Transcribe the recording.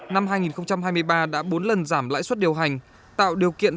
năm hai nghìn hai mươi ba đã bốn lần giảm lãi suất điều hành